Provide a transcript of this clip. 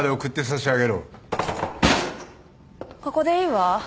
ここでいいわ。